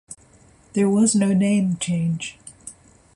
There was no name change.